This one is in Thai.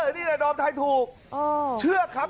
นี่แหละดอมทายถูกเชื่อครับ